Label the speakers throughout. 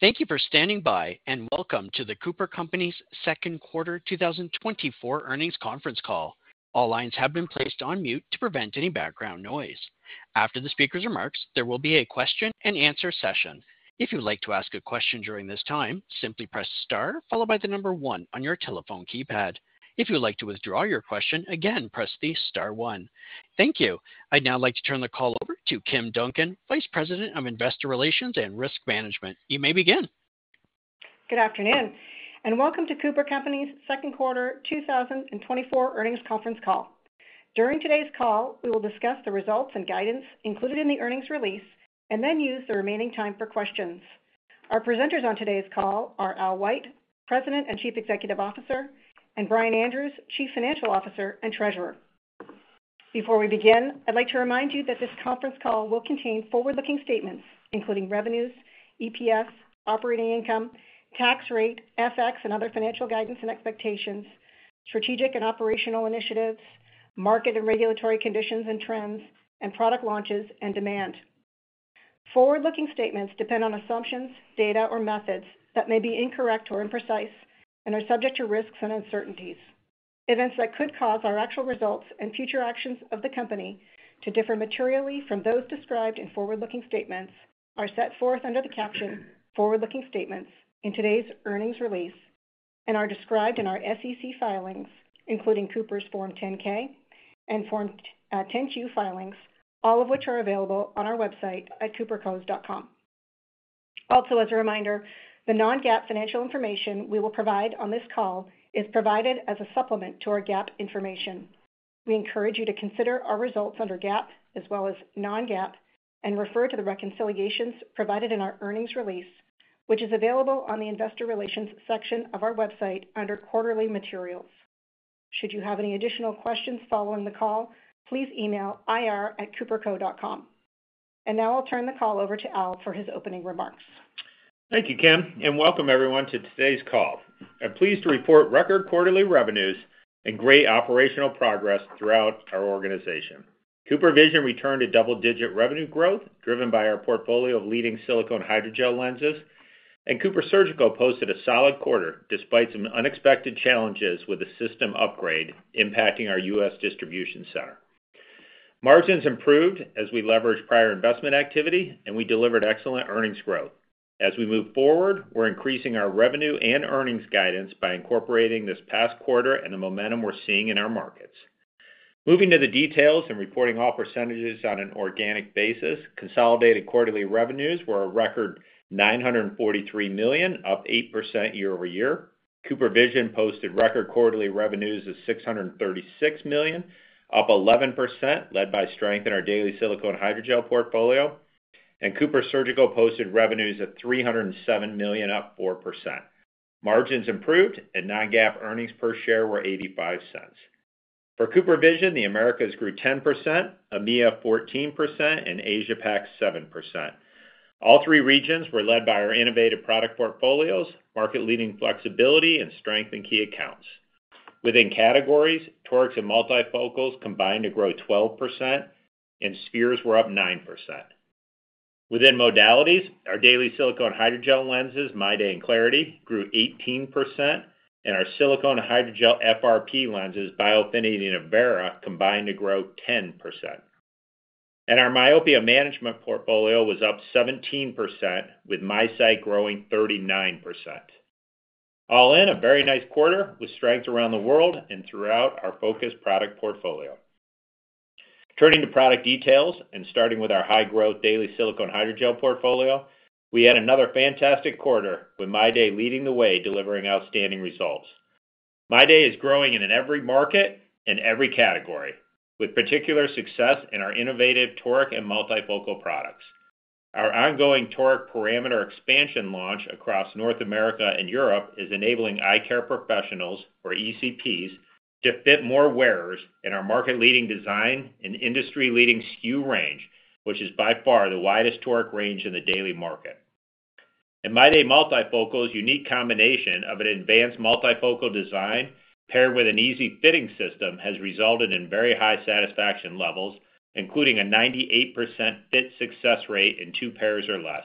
Speaker 1: Thank you for standing by, and welcome to The Cooper Companies' Second Quarter 2024 Earnings Conference Call. All lines have been placed on mute to prevent any background noise. After the speaker's remarks, there will be a question-and-answer session. If you'd like to ask a question during this time, simply press star followed by the number one on your telephone keypad. If you'd like to withdraw your question again, press the star one. Thank you. I'd now like to turn the call over to Kim Duncan, Vice President of Investor Relations and Risk Management. You may begin.
Speaker 2: Good afternoon, and welcome to The Cooper Companies' Second Quarter 2024 Earnings Conference Call. During today's call, we will discuss the results and guidance included in the earnings release and then use the remaining time for questions. Our presenters on today's call are Al White, President and Chief Executive Officer, and Brian Andrews, Chief Financial Officer and Treasurer. Before we begin, I'd like to remind you that this conference call will contain forward-looking statements, including revenues, EPS, operating income, tax rate, FX, and other financial guidance and expectations, strategic and operational initiatives, market and regulatory conditions and trends, and product launches and demand. Forward-looking statements depend on assumptions, data, or methods that may be incorrect or imprecise and are subject to risks and uncertainties. Events that could cause our actual results and future actions of the company to differ materially from those described in forward-looking statements are set forth under the caption Forward-Looking Statements in today's earnings release and are described in our SEC filings, including Cooper's Form 10-K and Form 10-Q filings, all of which are available on our website at coopercos.com. Also, as a reminder, the non-GAAP financial information we will provide on this call is provided as a supplement to our GAAP information. We encourage you to consider our results under GAAP as well as non-GAAP, and refer to the reconciliations provided in our earnings release, which is available on the investor relations section of our website under quarterly materials. Should you have any additional questions following the call, please email ir@coopercos.com. And now I'll turn the call over to Al for his opening remarks.
Speaker 3: Thank you, Kim, and welcome everyone to today's call. I'm pleased to report record quarterly revenues and great operational progress throughout our organization. CooperVision returned to double-digit revenue growth, driven by our portfolio of leading silicone hydrogel lenses, and CooperSurgical posted a solid quarter, despite some unexpected challenges with a system upgrade impacting our U.S. distribution center. Margins improved as we leveraged prior investment activity, and we delivered excellent earnings growth. As we move forward, we're increasing our revenue and earnings guidance by incorporating this past quarter and the momentum we're seeing in our markets. Moving to the details and reporting all percentages on an organic basis, consolidated quarterly revenues were a record $943 million, up 8% year-over-year. CooperVision posted record quarterly revenues of $636 million, up 11%, led by strength in our daily silicone hydrogel portfolio. CooperSurgical posted revenues of $307 million, up 4%. Margins improved and non-GAAP earnings per share were $0.85. For CooperVision, the Americas grew 10%, EMEA 14%, and Asia Pac 7%. All three regions were led by our innovative product portfolios, market-leading flexibility and strength in key accounts. Within categories, torics and multifocals combined to grow 12%, and spheres were up 9%. Within modalities, our daily silicone hydrogel lenses, MyDay and clariti, grew 18%, and our silicone hydrogel FRP lenses, Biofinity and Avaira, combined to grow 10%. Our myopia management portfolio was up 17%, with MiSight growing 39%. All in a very nice quarter with strength around the world and throughout our focused product portfolio. Turning to product details and starting with our high-growth daily silicone hydrogel portfolio, we had another fantastic quarter with MyDay leading the way, delivering outstanding results. MyDay is growing in every market and every category, with particular success in our innovative toric and multifocal products. Our ongoing toric parameter expansion launch across North America and Europe is enabling eye care professionals or ECPs to fit more wearers in our market-leading design and industry-leading SKU range, which is by far the widest toric range in the daily market. MyDay multifocal's unique combination of an advanced multifocal design paired with an easy fitting system has resulted in very high satisfaction levels, including a 98% fit success rate in two pairs or less.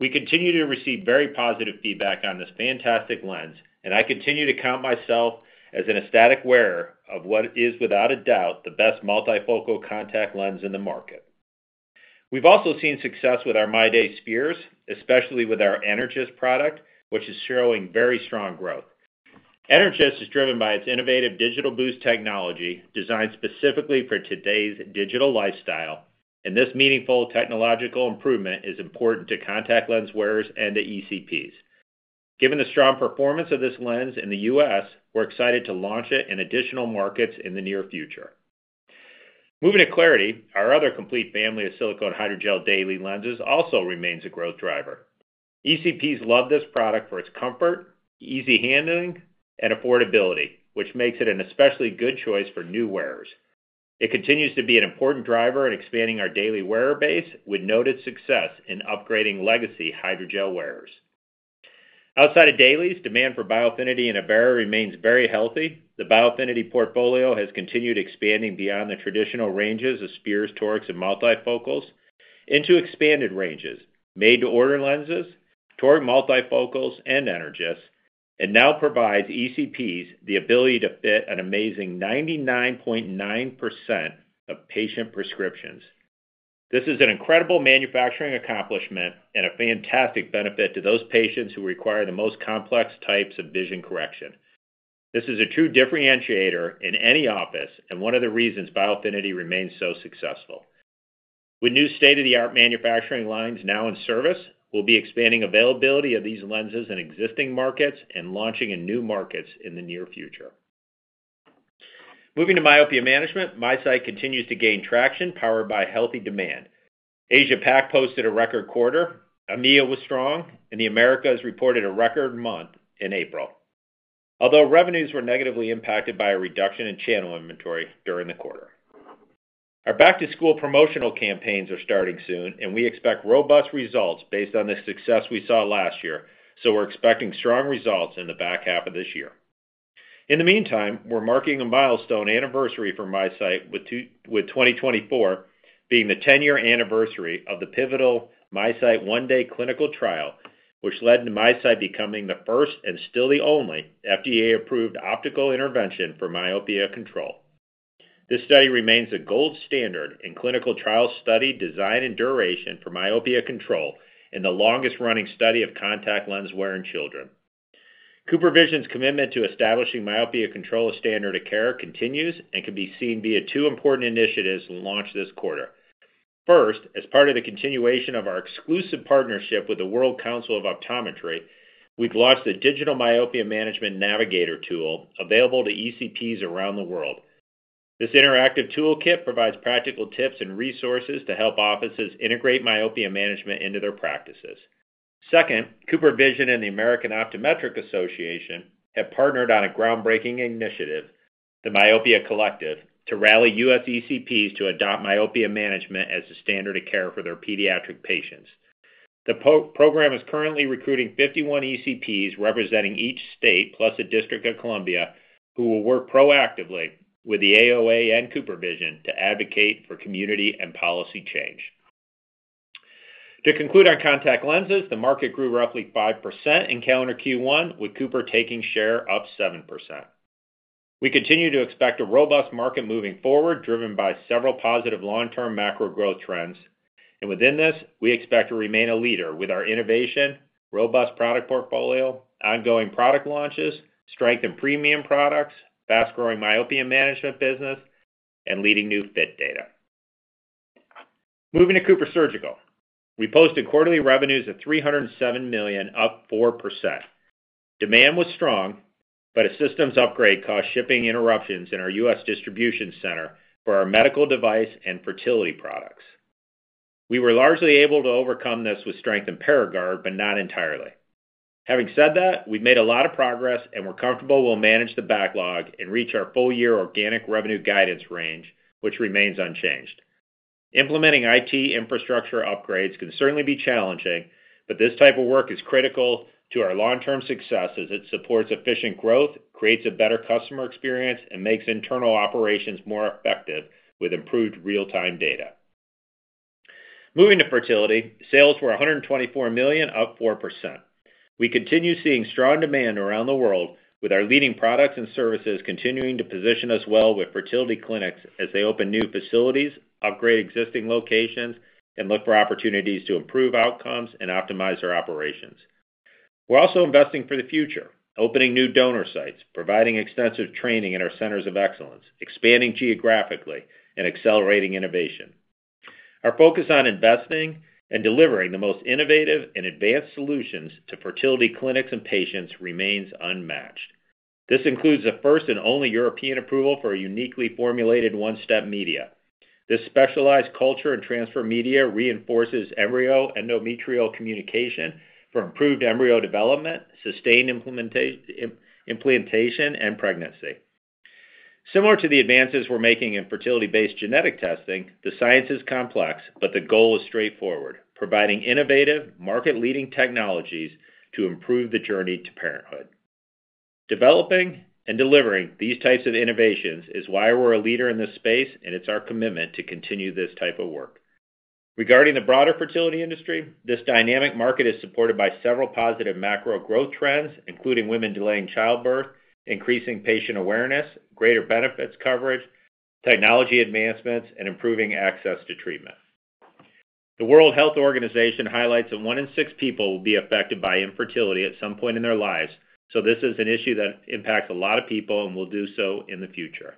Speaker 3: We continue to receive very positive feedback on this fantastic lens, and I continue to count myself as an ecstatic wearer of what is without a doubt, the best multifocal contact lens in the market. We've also seen success with our MyDay spheres, especially with our Energys product, which is showing very strong growth. Energys is driven by its innovative Digital Boost Technology, designed specifically for today's digital lifestyle, and this meaningful technological improvement is important to contact lens wearers and to ECPs. Given the strong performance of this lens in the U.S., we're excited to launch it in additional markets in the near future. Moving to clariti, our other complete family of silicone hydrogel daily lenses also remains a growth driver. ECPs love this product for its comfort, easy handling, and affordability, which makes it an especially good choice for new wearers. It continues to be an important driver in expanding our daily wearer base, with noted success in upgrading legacy hydrogel wearers. Outside of dailies, demand for Biofinity in a blister remains very healthy. The Biofinity portfolio has continued expanding beyond the traditional ranges of spheres, torics, and multifocals into expanded ranges, made to order lenses, toric multifocals, and Energys, and now provides ECPs the ability to fit an amazing 99.9% of patient prescriptions. This is an incredible manufacturing accomplishment and a fantastic benefit to those patients who require the most complex types of vision correction. This is a true differentiator in any office, and one of the reasons Biofinity remains so successful. With new state-of-the-art manufacturing lines now in service, we'll be expanding availability of these lenses in existing markets and launching in new markets in the near future. Moving to myopia management, MiSight continues to gain traction, powered by healthy demand. Asia Pac posted a record quarter, EMEA was strong, and the Americas reported a record month in April, although revenues were negatively impacted by a reduction in channel inventory during the quarter. Our back-to-school promotional campaigns are starting soon, and we expect robust results based on the success we saw last year, so we're expecting strong results in the back half of this year. In the meantime, we're marking a milestone anniversary for MiSight, with 2024 being the ten-year anniversary of the pivotal MiSight one-day clinical trial, which led to MiSight becoming the first, and still the only, FDA-approved optical intervention for myopia control. This study remains the gold standard in clinical trial study, design, and duration for myopia control, and the longest running study of contact lens wear in children. CooperVision's commitment to establishing myopia control as standard of care continues, and can be seen via two important initiatives launched this quarter. First, as part of the continuation of our exclusive partnership with the World Council of Optometry, we've launched the Digital Myopia Management Navigator tool, available to ECPs around the world. This interactive toolkit provides practical tips and resources to help offices integrate myopia management into their practices. Second, CooperVision and the American Optometric Association have partnered on a groundbreaking initiative, the Myopia Collective, to rally U.S. ECPs to adopt myopia management as a standard of care for their pediatric patients. The program is currently recruiting 51 ECPs, representing each state, plus the District of Columbia, who will work proactively with the AOA and CooperVision to advocate for community and policy change. To conclude on contact lenses, the market grew roughly 5% in calendar Q1, with Cooper taking share up 7%. We continue to expect a robust market moving forward, driven by several positive long-term macro growth trends, and within this, we expect to remain a leader with our innovation, robust product portfolio, ongoing product launches, strength in premium products, fast-growing myopia management business, and leading new fit data. Moving to CooperSurgical. We posted quarterly revenues of $307 million, up 4%. Demand was strong, but a systems upgrade caused shipping interruptions in our U.S. distribution center for our medical device and fertility products. We were largely able to overcome this with strength in Paragard, but not entirely. Having said that, we've made a lot of progress, and we're comfortable we'll manage the backlog and reach our full year organic revenue guidance range, which remains unchanged. Implementing IT infrastructure upgrades can certainly be challenging, but this type of work is critical to our long-term success as it supports efficient growth, creates a better customer experience, and makes internal operations more effective with improved real-time data. Moving to fertility. Sales were $124 million, up 4%. We continue seeing strong demand around the world, with our leading products and services continuing to position us well with fertility clinics as they open new facilities, upgrade existing locations, and look for opportunities to improve outcomes and optimize their operations. We're also investing for the future, opening new donor sites, providing extensive training in our centers of excellence, expanding geographically, and accelerating innovation. Our focus on investing and delivering the most innovative and advanced solutions to fertility clinics and patients remains unmatched. This includes the first and only European approval for a uniquely formulated one-step media. This specialized culture and transfer media reinforces embryo endometrial communication for improved embryo development, sustained implantation, and pregnancy. Similar to the advances we're making in fertility-based genetic testing, the science is complex, but the goal is straightforward, providing innovative, market-leading technologies to improve the journey to parenthood. Developing and delivering these types of innovations is why we're a leader in this space, and it's our commitment to continue this type of work. Regarding the broader fertility industry, this dynamic market is supported by several positive macro growth trends, including women delaying childbirth, increasing patient awareness, greater benefits coverage, technology advancements, and improving access to treatment. The World Health Organization highlights that one in six people will be affected by infertility at some point in their lives, so this is an issue that impacts a lot of people and will do so in the future.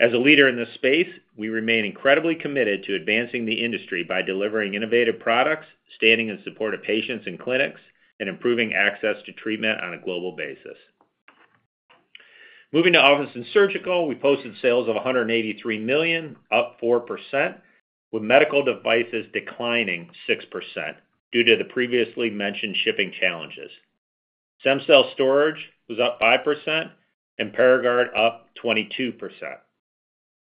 Speaker 3: As a leader in this space, we remain incredibly committed to advancing the industry by delivering innovative products, standing in support of patients and clinics, and improving access to treatment on a global basis. Moving to Office and Surgical, we posted sales of $183 million, up 4%, with medical devices declining 6% due to the previously mentioned shipping challenges. Stem cell storage was up 5%, and Paragard up 22%....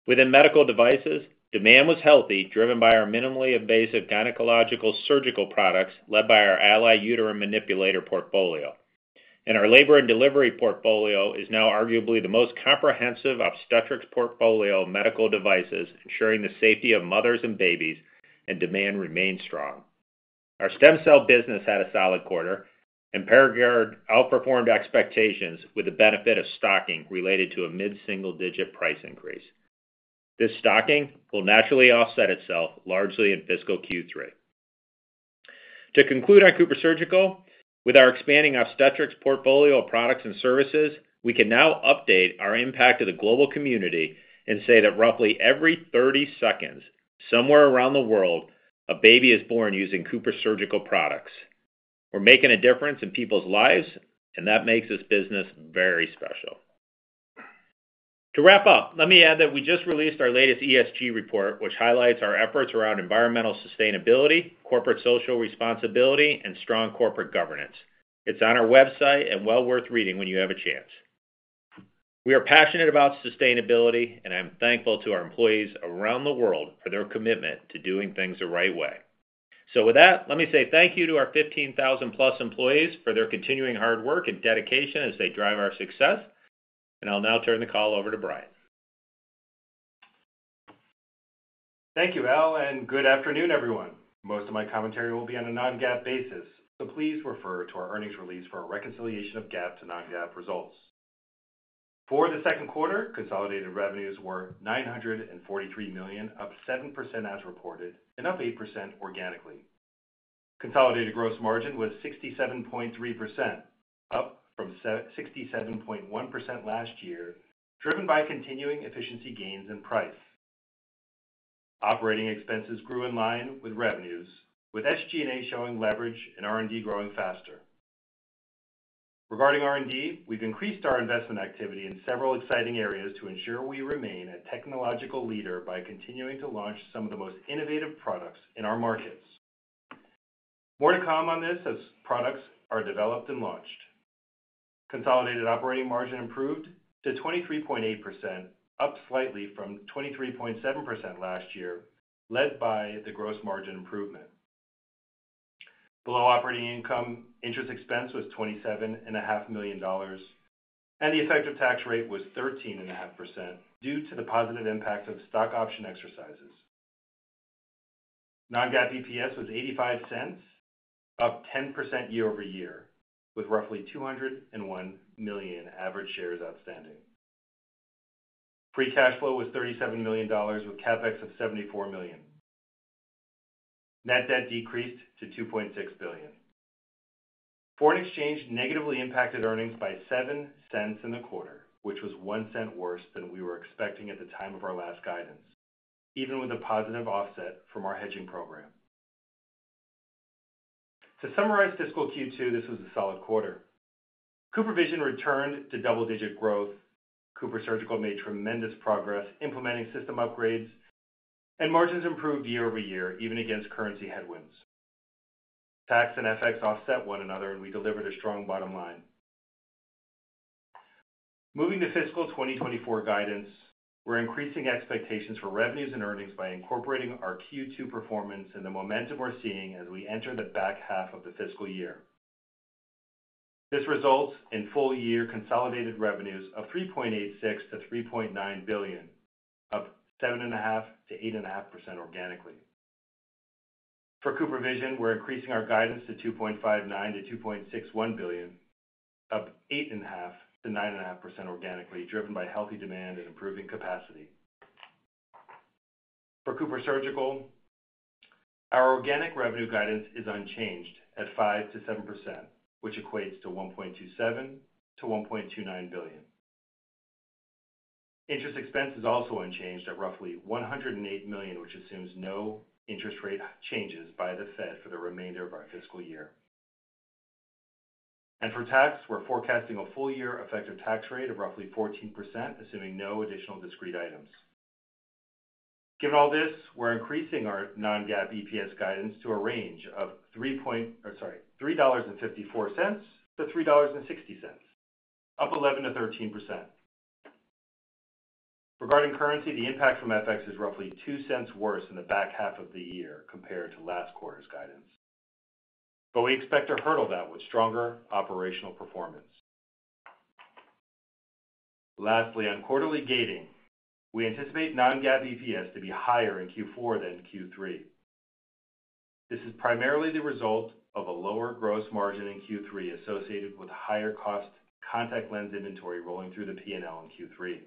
Speaker 3: Within medical devices, demand was healthy, driven by our minimally invasive gynecological surgical products, led by our ALLY uterine manipulator portfolio. And our labor and delivery portfolio is now arguably the most comprehensive obstetrics portfolio of medical devices, ensuring the safety of mothers and babies, and demand remains strong. Our stem cell business had a solid quarter, and Paragard outperformed expectations with the benefit of stocking related to a mid-single-digit price increase. This stocking will naturally offset itself largely in fiscal Q3. To conclude on CooperSurgical, with our expanding obstetrics portfolio of products and services, we can now update our impact to the global community and say that roughly every 30 seconds, somewhere around the world, a baby is born using CooperSurgical products. We're making a difference in people's lives, and that makes this business very special. To wrap up, let me add that we just released our latest ESG report, which highlights our efforts around environmental sustainability, corporate social responsibility, and strong corporate governance. It's on our website and well worth reading when you have a chance. We are passionate about sustainability, and I'm thankful to our employees around the world for their commitment to doing things the right way. So with that, let me say thank you to our 15,000+ employees for their continuing hard work and dedication as they drive our success. I'll now turn the call over to Brian.
Speaker 4: Thank you, Al, and good afternoon, everyone. Most of my commentary will be on a non-GAAP basis, so please refer to our earnings release for a reconciliation of GAAP to non-GAAP results. For the second quarter, consolidated revenues were $943 million, up 7% as reported and up 8% organically. Consolidated gross margin was 67.3%, up from 67.1% last year, driven by continuing efficiency gains and price. Operating expenses grew in line with revenues, with SG&A showing leverage and R&D growing faster. Regarding R&D, we've increased our investment activity in several exciting areas to ensure we remain a technological leader by continuing to launch some of the most innovative products in our markets. More to come on this as products are developed and launched. Consolidated operating margin improved to 23.8%, up slightly from 23.7% last year, led by the gross margin improvement. Below operating income, interest expense was $27.5 million, and the effective tax rate was 13.5% due to the positive impact of stock option exercises. Non-GAAP EPS was $0.85, up 10% year-over-year, with roughly 201 million average shares outstanding. Free cash flow was $37 million, with CAPEX of $74 million. Net debt decreased to $2.6 billion. Foreign exchange negatively impacted earnings by $0.07 in the quarter, which was $0.01 worse than we were expecting at the time of our last guidance, even with a positive offset from our hedging program. To summarize fiscal Q2, this was a solid quarter. CooperVision returned to double-digit growth. CooperSurgical made tremendous progress implementing system upgrades. Margins improved year-over-year, even against currency headwinds. Tax and FX offset one another, and we delivered a strong bottom line. Moving to fiscal 2024 guidance, we're increasing expectations for revenues and earnings by incorporating our Q2 performance and the momentum we're seeing as we enter the back half of the fiscal year. This results in full-year consolidated revenues of $3.86 billion-$3.9 billion, up 7.5%-8.5% organically. For CooperVision, we're increasing our guidance to $2.59 billion-$2.61 billion, up 8.5%-9.5% organically, driven by healthy demand and improving capacity. For CooperSurgical, our organic revenue guidance is unchanged at 5%-7%, which equates to $1.27 billion-$1.29 billion. Interest expense is also unchanged at roughly $108 million, which assumes no interest rate changes by the Fed for the remainder of our fiscal year. For tax, we're forecasting a full year effective tax rate of roughly 14%, assuming no additional discrete items. Given all this, we're increasing our non-GAAP EPS guidance to a range of... I'm sorry, $3.54-$3.60, up 11%-13%. Regarding currency, the impact from FX is roughly $0.02 worse in the back half of the year compared to last quarter's guidance, but we expect to hurdle that with stronger operational performance. Lastly, on quarterly gating, we anticipate non-GAAP EPS to be higher in Q4 than Q3. This is primarily the result of a lower gross margin in Q3, associated with higher cost contact lens inventory rolling through the P&L in Q3.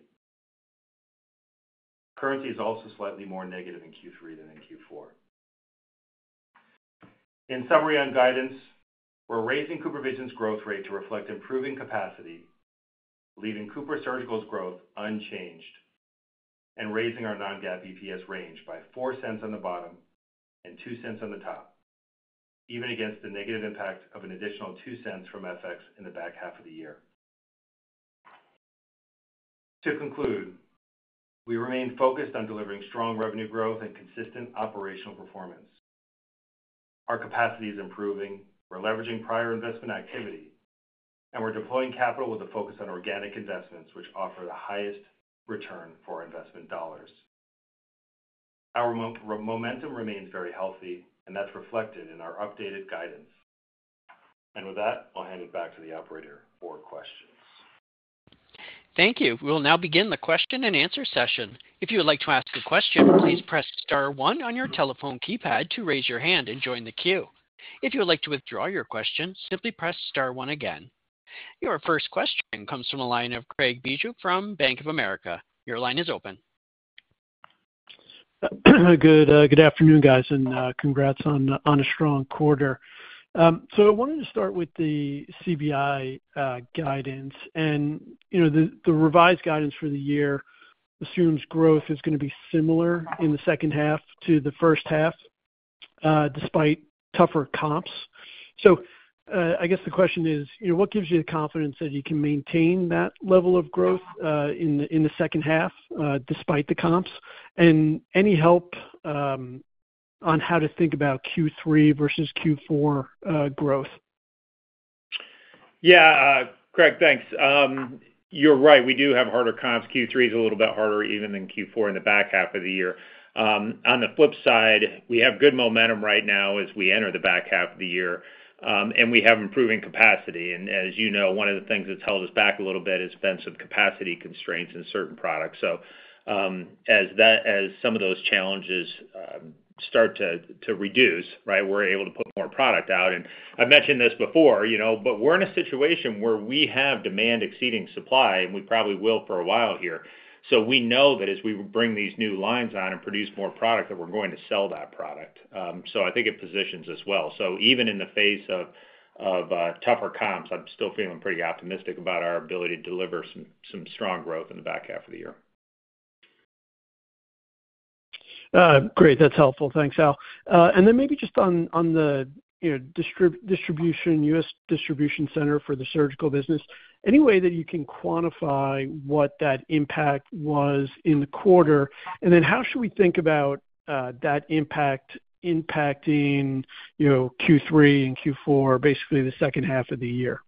Speaker 4: Currency is also slightly more negative in Q3 than in Q4. In summary, on guidance, we're raising CooperVision's growth rate to reflect improving capacity, leaving CooperSurgical's growth unchanged, and raising our non-GAAP EPS range by $0.04 on the bottom and $0.02 on the top, even against the negative impact of an additional $0.02 from FX in the back half of the year. To conclude, we remain focused on delivering strong revenue growth and consistent operational performance. ...Our capacity is improving, we're leveraging prior investment activity, and we're deploying capital with a focus on organic investments, which offer the highest return for investment dollars. Our momentum remains very healthy, and that's reflected in our updated guidance. With that, I'll hand it back to the operator for questions.
Speaker 1: Thank you. We'll now begin the question and answer session. If you would like to ask a question, please press star one on your telephone keypad to raise your hand and join the queue. If you would like to withdraw your question, simply press star one again. Your first question comes from the line of Craig Bijou from Bank of America. Your line is open.
Speaker 5: Good afternoon, guys, and congrats on a strong quarter. So I wanted to start with the CVI guidance. And, you know, the revised guidance for the year assumes growth is gonna be similar in the second half to the first half, despite tougher comps. So, I guess the question is: you know, what gives you the confidence that you can maintain that level of growth, in the second half, despite the comps? And any help on how to think about Q3 versus Q4 growth?
Speaker 3: Yeah, Craig, thanks. You're right, we do have harder comps. Q3 is a little bit harder even than Q4 in the back half of the year. On the flip side, we have good momentum right now as we enter the back half of the year, and we have improving capacity. And as you know, one of the things that's held us back a little bit has been some capacity constraints in certain products. So, as some of those challenges start to reduce, right, we're able to put more product out. And I've mentioned this before, you know, but we're in a situation where we have demand exceeding supply, and we probably will for a while here. So we know that as we bring these new lines on and produce more product, that we're going to sell that product. So I think it positions us well. So even in the face of tougher comps, I'm still feeling pretty optimistic about our ability to deliver some strong growth in the back half of the year.
Speaker 5: Great. That's helpful. Thanks, Al. And then maybe just on the, you know, distribution, U.S. distribution center for the surgical business, any way that you can quantify what that impact was in the quarter? And then how should we think about that impact impacting, you know, Q3 and Q4, basically the second half of the year?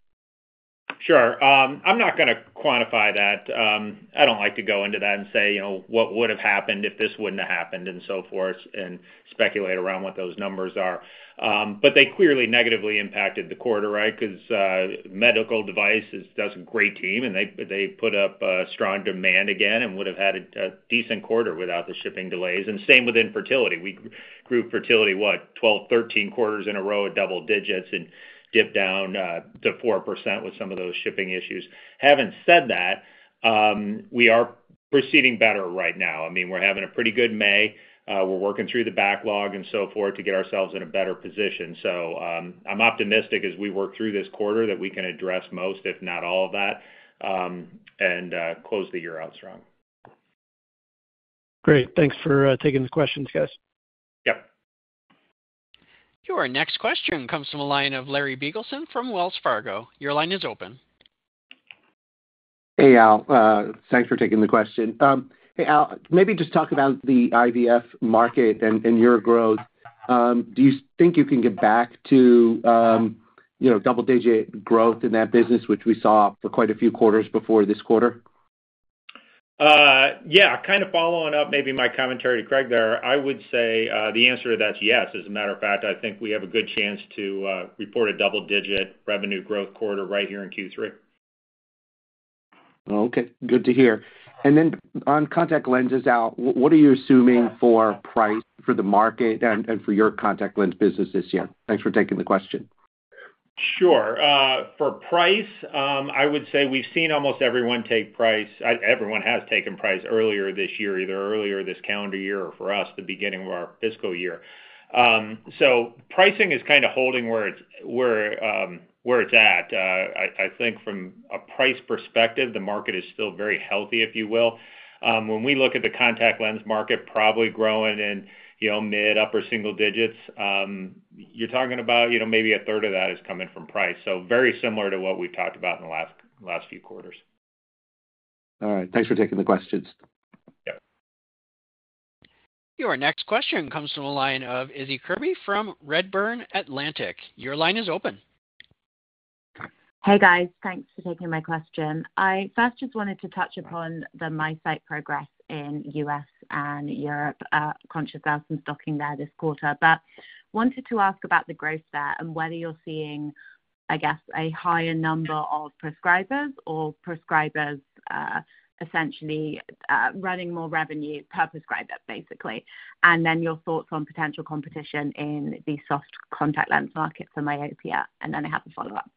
Speaker 3: Sure. I'm not gonna quantify that. I don't like to go into that and say, you know, what would have happened if this wouldn't have happened, and so forth, and speculate around what those numbers are. But they clearly negatively impacted the quarter, right? Because, medical devices does a great team, and they put up strong demand again and would've had a decent quarter without the shipping delays. And same with infertility. We grew fertility, what, 12, 13 quarters in a row at double digits and dipped down to 4% with some of those shipping issues. Having said that, we are proceeding better right now. I mean, we're having a pretty good May. We're working through the backlog and so forth to get ourselves in a better position. I'm optimistic as we work through this quarter that we can address most, if not all, of that, and close the year out strong.
Speaker 5: Great. Thanks for taking the questions, guys.
Speaker 3: Yep.
Speaker 1: Your next question comes from a line of Larry Biegelsen from Wells Fargo. Your line is open.
Speaker 6: Hey, Al, thanks for taking the question. Hey, Al, maybe just talk about the IVF market and, and your growth. Do you think you can get back to, you know, double-digit growth in that business, which we saw for quite a few quarters before this quarter?
Speaker 3: Yeah, kind of following up maybe my commentary to Craig there. I would say, the answer to that is yes. As a matter of fact, I think we have a good chance to, report a double-digit revenue growth quarter right here in Q3.
Speaker 6: Okay, good to hear. And then on contact lenses, Al, what are you assuming for price for the market and, and for your contact lens business this year? Thanks for taking the question.
Speaker 3: Sure. For price, I would say we've seen almost everyone take price. Everyone has taken price earlier this year, either earlier this calendar year, or for us, the beginning of our fiscal year. So pricing is kind of holding where it's at. I think from a price perspective, the market is still very healthy, if you will. When we look at the contact lens market, probably growing in, you know, mid-upper single digits, you're talking about, you know, maybe a third of that is coming from price. So very similar to what we've talked about in the last few quarters.
Speaker 6: All right. Thanks for taking the questions.
Speaker 3: Yep.
Speaker 1: Your next question comes from the line of Issie Kirby from Redburn Atlantic. Your line is open.
Speaker 7: Hey, guys. Thanks for taking my question. I first just wanted to touch upon the MiSight progress in U.S. and Europe, conscious about some stocking there this quarter. But wanted to ask about the growth there and whether you're seeing, I guess, a higher number of prescribers or prescribers, essentially, running more revenue per prescriber, basically. And then your thoughts on potential competition in the soft contact lens market for myopia, and then I have a follow-up.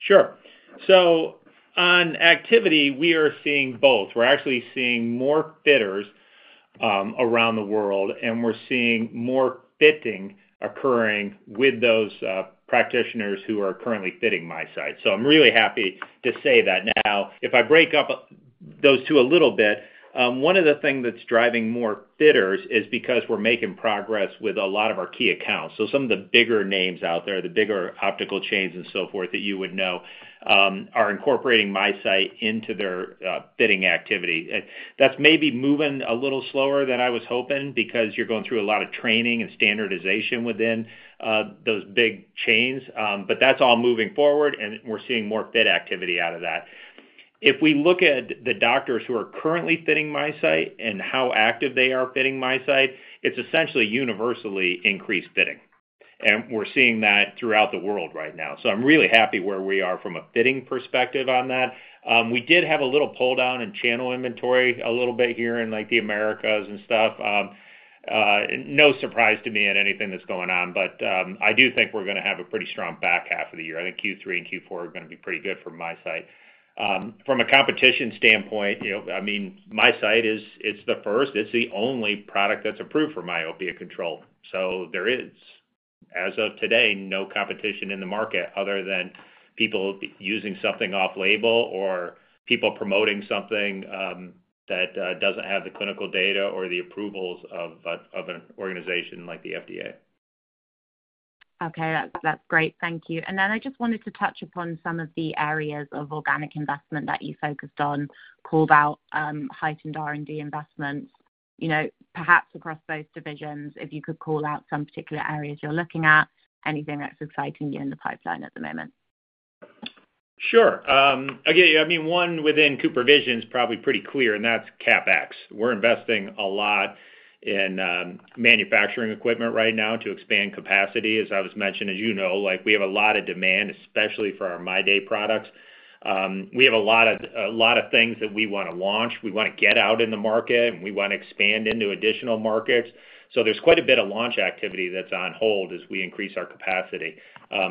Speaker 3: Sure. So on activity, we are seeing both. We're actually seeing more fitters around the world, and we're seeing more fitting occurring with those practitioners who are currently fitting MiSight. So I'm really happy to say that. Now, if I break up those two a little bit. One of the things that's driving more fitters is because we're making progress with a lot of our key accounts. So some of the bigger names out there, the bigger optical chains and so forth, that you would know, are incorporating MiSight into their fitting activity. And that's maybe moving a little slower than I was hoping, because you're going through a lot of training and standardization within those big chains. But that's all moving forward, and we're seeing more fit activity out of that. If we look at the doctors who are currently fitting MiSight and how active they are fitting MiSight, it's essentially universally increased fitting, and we're seeing that throughout the world right now. So I'm really happy where we are from a fitting perspective on that. We did have a little pull-down in channel inventory a little bit here in, like, the Americas and stuff. No surprise to me in anything that's going on, but, I do think we're gonna have a pretty strong back half of the year. I think Q3 and Q4 are gonna be pretty good for MiSight. From a competition standpoint, you know, I mean, MiSight is it's the first, it's the only product that's approved for myopia control. So there is, as of today, no competition in the market other than people using something off-label or people promoting something that doesn't have the clinical data or the approvals of an organization like the FDA.
Speaker 7: Okay, that's, that's great. Thank you. And then I just wanted to touch upon some of the areas of organic investment that you focused on, called out, heightened R&D investments. You know, perhaps across both divisions, if you could call out some particular areas you're looking at, anything that's exciting you in the pipeline at the moment?
Speaker 3: Sure. Again, I mean, one within CooperVision is probably pretty clear, and that's CAPEX. We're investing a lot in manufacturing equipment right now to expand capacity. As I was mentioning, as you know, like, we have a lot of demand, especially for our MyDay products. We have a lot of, a lot of things that we wanna launch, we wanna get out in the market, and we wanna expand into additional markets. So there's quite a bit of launch activity that's on hold as we increase our capacity.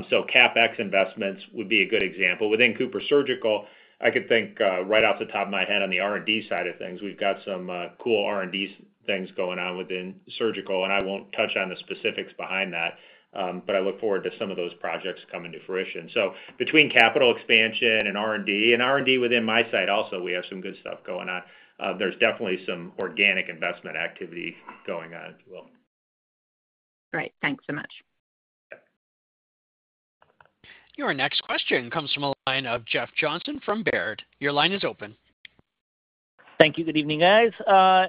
Speaker 3: So CAPEX investments would be a good example. Within CooperSurgical, I could think, right off the top of my head, on the R&D side of things, we've got some cool R&D things going on within Surgical, and I won't touch on the specifics behind that, but I look forward to some of those projects coming to fruition. So between capital expansion and R&D, and R&D within MiSight also, we have some good stuff going on. There's definitely some organic investment activity going on as well.
Speaker 7: Great. Thanks so much.
Speaker 3: Yeah.
Speaker 1: Your next question comes from the line of Jeff Johnson from Baird. Your line is open.
Speaker 8: Thank you. Good evening, guys.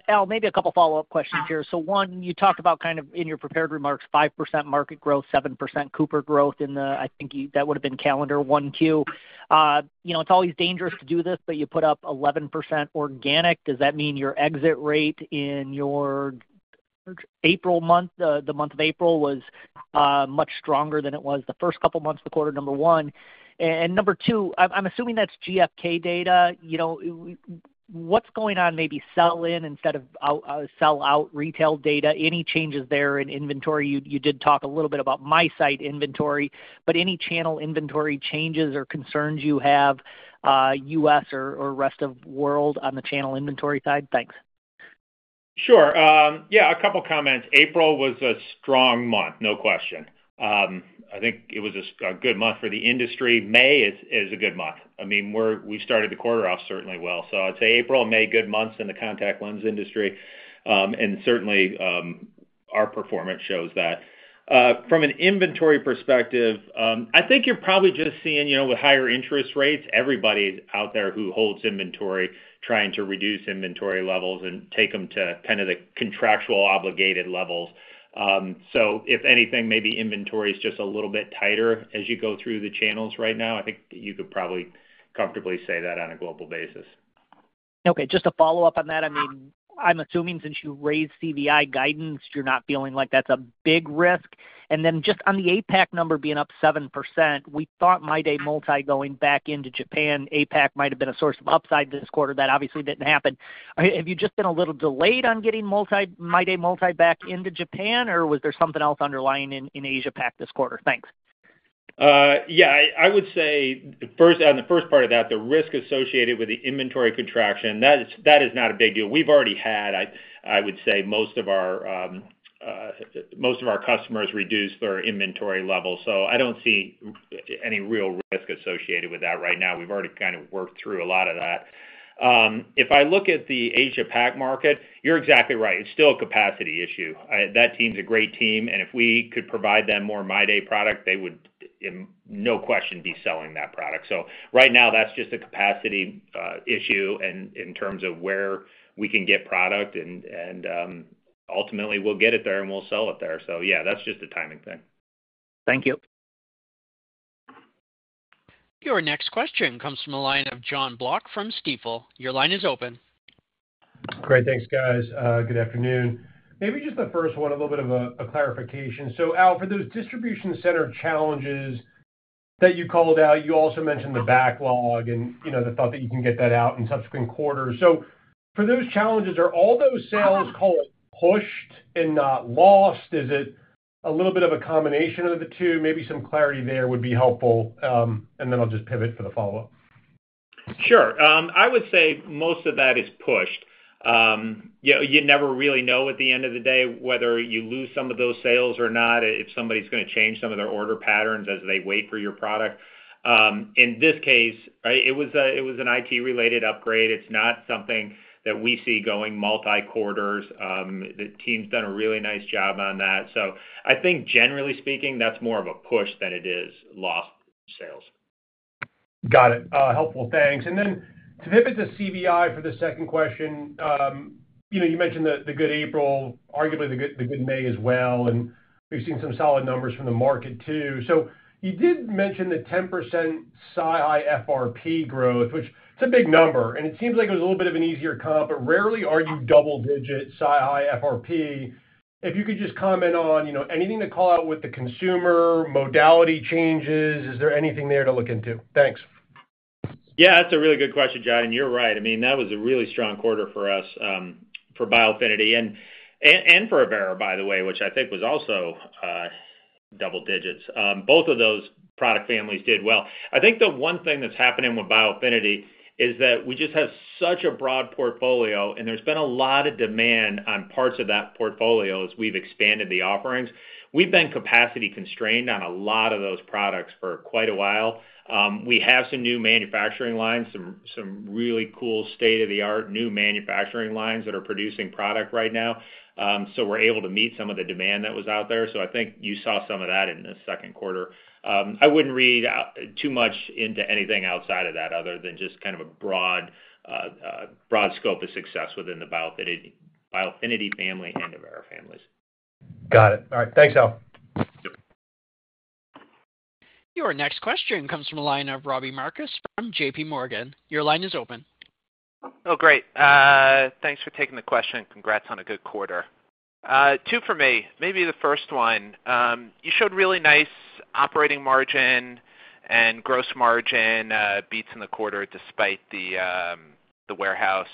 Speaker 8: Al, maybe a couple follow-up questions here. So one, you talked about kind of in your prepared remarks, 5% market growth, 7% Cooper growth in the... I think that would have been calendar 1Q. You know, it's always dangerous to do this, but you put up 11% organic. Does that mean your exit rate in your April month, the month of April, was much stronger than it was the first couple of months of the quarter, number one? And number two, I'm assuming that's GfK data. You know, what's going on, maybe sell-in instead of out, sell-out retail data, any changes there in inventory? You did talk a little bit about MiSight inventory, but any channel inventory changes or concerns you have, U.S. or rest of world on the channel inventory side? Thanks.
Speaker 3: Sure. Yeah, a couple comments. April was a strong month, no question. I think it was a good month for the industry. May is a good month. I mean, we started the quarter off certainly well. So I'd say April and May, good months in the contact lens industry, and certainly our performance shows that. From an inventory perspective, I think you're probably just seeing, you know, with higher interest rates, everybody out there who holds inventory, trying to reduce inventory levels and take them to kind of the contractual obligated levels. So if anything, maybe inventory is just a little bit tighter as you go through the channels right now. I think you could probably comfortably say that on a global basis.
Speaker 8: Okay, just to follow up on that, I mean, I'm assuming since you raised CVI guidance, you're not feeling like that's a big risk. And then just on the APAC number being up 7%, we thought MyDay Multi going back into Japan, APAC might have been a source of upside this quarter. That obviously didn't happen. Have you just been a little delayed on getting MyDay Multi back into Japan, or was there something else underlying in Asia Pac this quarter? Thanks.
Speaker 3: Yeah, I would say, first, on the first part of that, the risk associated with the inventory contraction, that is not a big deal. We've already had, I would say, most of our most of our customers reduce their inventory levels, so I don't see any real risk associated with that right now. We've already kind of worked through a lot of that. If I look at the Asia Pac market, you're exactly right. It's still a capacity issue. That team's a great team, and if we could provide them more MyDay product, they would no question be selling that product. So right now, that's just a capacity issue in terms of where we can get product and ultimately, we'll get it there, and we'll sell it there. So yeah, that's just a timing thing.
Speaker 8: Thank you.
Speaker 1: Your next question comes from the line of Jon Block from Stifel. Your line is open.
Speaker 9: Great. Thanks, guys. Good afternoon. Maybe just the first one, a little bit of a clarification. So Al, for those distribution center challenges that you called out, you also mentioned the backlog and, you know, the thought that you can get that out in subsequent quarters. So for those challenges, are all those sales called pushed and not lost? Is it a little bit of a combination of the two? Maybe some clarity there would be helpful. And then I'll just pivot for the follow-up.
Speaker 3: Sure. I would say most of that is pushed.... Yeah, you never really know at the end of the day, whether you lose some of those sales or not, if somebody's gonna change some of their order patterns as they wait for your product. In this case, right, it was an IT-related upgrade. It's not something that we see going multi-quarters. The team's done a really nice job on that. So I think generally speaking, that's more of a push than it is lost sales.
Speaker 9: Got it. Helpful. Thanks. And then to pivot to CVI for the second question, you know, you mentioned the good April, arguably the good May as well, and we've seen some solid numbers from the market, too. So you did mention the 10% SiHy FRP growth, which it's a big number, and it seems like it was a little bit of an easier comp, but rarely are you double-digit SiHy FRP. If you could just comment on, you know, anything to call out with the consumer, modality changes, is there anything there to look into? Thanks.
Speaker 3: Yeah, that's a really good question, Jon, and you're right. I mean, that was a really strong quarter for us, for Biofinity and for Avaira, by the way, which I think was also double digits. Both of those product families did well. I think the one thing that's happening with Biofinity is that we just have such a broad portfolio, and there's been a lot of demand on parts of that portfolio as we've expanded the offerings. We've been capacity constrained on a lot of those products for quite a while. We have some new manufacturing lines, some really cool state-of-the-art new manufacturing lines that are producing product right now. So we're able to meet some of the demand that was out there. So I think you saw some of that in the second quarter. I wouldn't read too much into anything outside of that other than just kind of a broad scope of success within the Biofinity family and Avaira families.
Speaker 9: Got it. All right. Thanks, Al.
Speaker 1: Your next question comes from the line of Robbie Marcus from JPMorgan. Your line is open.
Speaker 10: Oh, great. Thanks for taking the question, and congrats on a good quarter. Two for me. Maybe the first one, you showed really nice operating margin and gross margin beats in the quarter despite the warehouse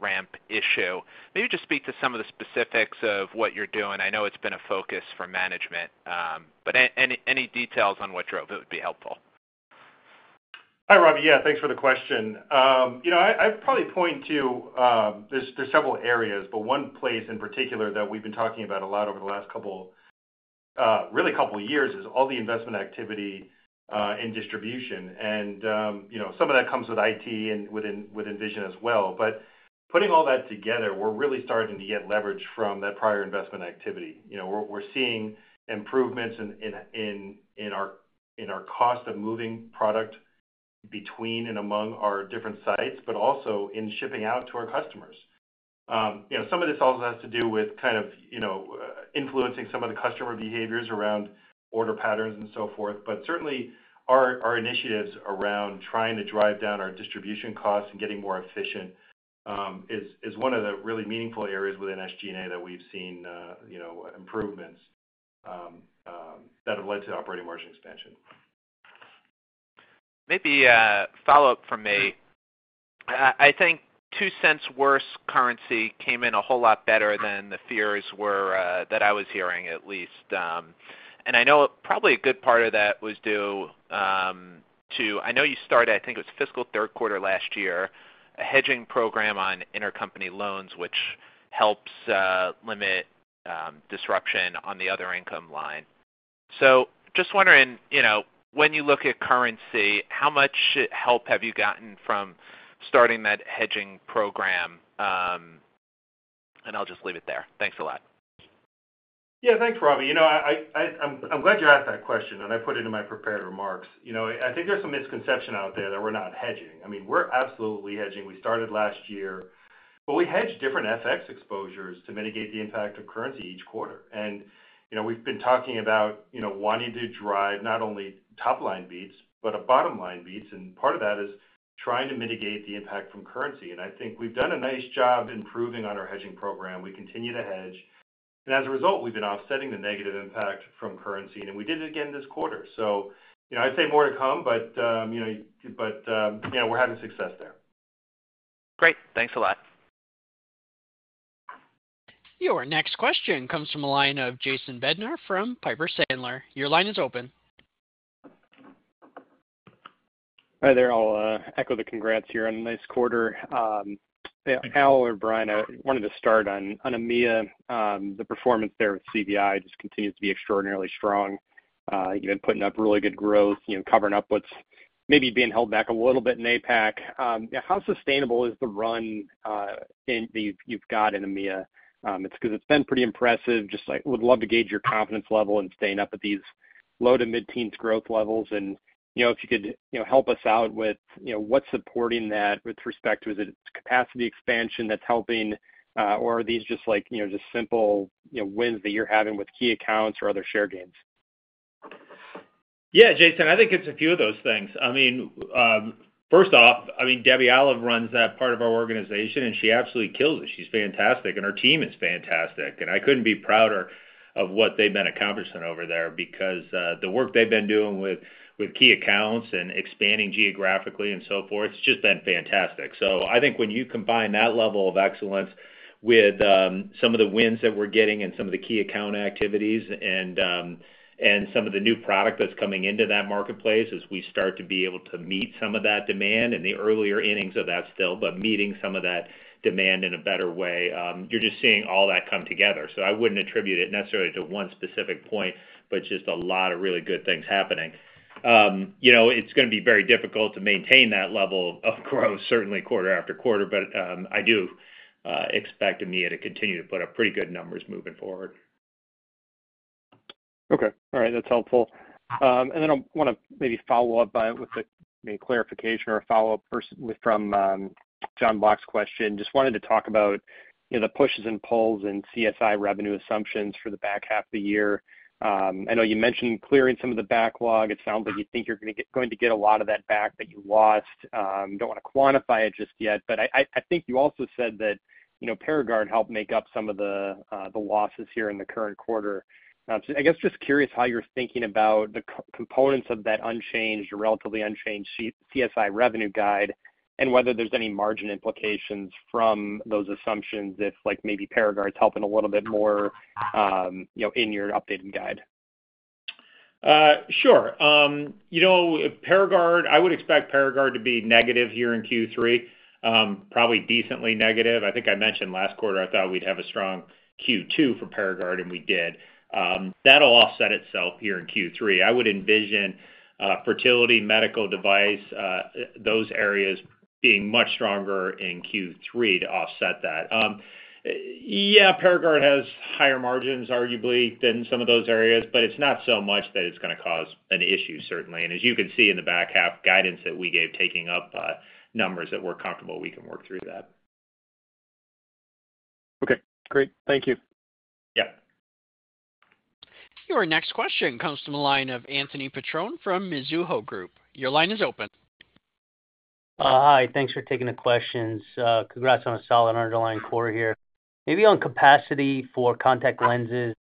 Speaker 10: ramp issue. Maybe just speak to some of the specifics of what you're doing. I know it's been a focus for management, but any details on what drove it would be helpful.
Speaker 4: Hi, Robbie. Yeah, thanks for the question. You know, I'd probably point to, there's several areas, but one place in particular that we've been talking about a lot over the last couple, really couple of years, is all the investment activity in distribution. And you know, some of that comes with IT and within Vision as well. But putting all that together, we're really starting to get leverage from that prior investment activity. You know, we're seeing improvements in our cost of moving product between and among our different sites, but also in shipping out to our customers. You know, some of this also has to do with kind of influencing some of the customer behaviors around order patterns and so forth. But certainly, our initiatives around trying to drive down our distribution costs and getting more efficient is one of the really meaningful areas within SG&A that we've seen, you know, improvements that have led to operating margin expansion.
Speaker 10: Maybe, follow-up from me. I think $0.02 worse currency came in a whole lot better than the fears were, that I was hearing, at least. And I know probably a good part of that was due to... I know you started, I think it was fiscal third quarter last year, a hedging program on intercompany loans, which helps limit disruption on the other income line. So just wondering, you know, when you look at currency, how much help have you gotten from starting that hedging program? And I'll just leave it there. Thanks a lot.
Speaker 4: Yeah. Thanks, Robbie. You know, I'm glad you asked that question, and I put it in my prepared remarks. You know, I think there's some misconception out there that we're not hedging. I mean, we're absolutely hedging. We started last year, but we hedge different FX exposures to mitigate the impact of currency each quarter. And, you know, we've been talking about, you know, wanting to drive not only top line beats, but a bottom line beats, and part of that is trying to mitigate the impact from currency. And I think we've done a nice job improving on our hedging program. We continue to hedge, and as a result, we've been offsetting the negative impact from currency, and we did it again this quarter. So, you know, I'd say more to come, but, you know, but, yeah, we're having success there.
Speaker 10: Great. Thanks a lot.
Speaker 1: Your next question comes from a line of Jason Bednar from Piper Sandler. Your line is open.
Speaker 11: Hi there. I'll echo the congrats here on a nice quarter. Al or Brian, I wanted to start on EMEA, the performance there with CVI just continues to be extraordinarily strong. You've been putting up really good growth, you know, covering up what's maybe being held back a little bit in APAC. How sustainable is the run and you've got in EMEA? It's because it's been pretty impressive. Just like, would love to gauge your confidence level in staying up at these low- to mid-teens growth levels. And, you know, if you could, you know, help us out with, you know, what's supporting that with respect to the capacity expansion that's helping, or are these just like, you know, just simple, you know, wins that you're having with key accounts or other share gains?
Speaker 3: Yeah, Jason, I think it's a few of those things. I mean, First off, I mean, Debbie Olive runs that part of our organization, and she absolutely kills it. She's fantastic, and her team is fantastic. And I couldn't be prouder of what they've been accomplishing over there because, the work they've been doing with key accounts and expanding geographically and so forth, it's just been fantastic. So I think when you combine that level of excellence with, some of the wins that we're getting and some of the key account activities, and, and some of the new product that's coming into that marketplace as we start to be able to meet some of that demand in the earlier innings of that still, but meeting some of that demand in a better way, you're just seeing all that come together. So I wouldn't attribute it necessarily to one specific point, but just a lot of really good things happening. You know, it's gonna be very difficult to maintain that level of growth, certainly quarter-after-quarter, but, I do expect EMEA to continue to put up pretty good numbers moving forward.
Speaker 11: Okay. All right, that's helpful. And then I wanna maybe follow up with a maybe clarification or a follow-up from Jon Block's question. Just wanted to talk about, you know, the pushes and pulls in CSI revenue assumptions for the back half of the year. I know you mentioned clearing some of the backlog. It sounds like you think you're going to get a lot of that back that you lost. You don't wanna quantify it just yet, but I think you also said that, you know, Paragard helped make up some of the losses here in the current quarter. So I guess, just curious how you're thinking about the components of that unchanged, or relatively unchanged CSI revenue guide, and whether there's any margin implications from those assumptions if, like, maybe Paragard is helping a little bit more, you know, in your updated guide?
Speaker 3: Sure. You know, Paragard, I would expect Paragard to be negative here in Q3, probably decently negative. I think I mentioned last quarter, I thought we'd have a strong Q2 for Paragard, and we did. That'll offset itself here in Q3. I would envision, fertility, medical device, those areas being much stronger in Q3 to offset that. Yeah, Paragard has higher margins, arguably, than some of those areas, but it's not so much that it's gonna cause an issue, certainly. And as you can see in the back half guidance that we gave, taking up, numbers that we're comfortable, we can work through that.
Speaker 11: Okay, great. Thank you.
Speaker 3: Yeah.
Speaker 1: Your next question comes from the line of Anthony Petrone from Mizuho Group. Your line is open.
Speaker 12: Hi, thanks for taking the questions. Congrats on a solid underlying quarter here. Maybe on capacity for contact lenses,